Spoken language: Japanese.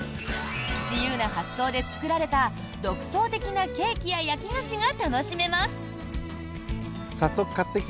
自由な発想で作られた独創的なケーキや焼き菓子が楽しめます。